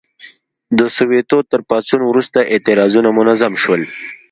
د سووېتو تر پاڅون وروسته اعتراضونه منظم شول.